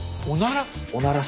おなら？